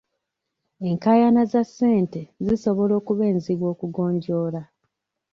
Enkaayana za ssente zisobola okuba enzibu okugonjoola.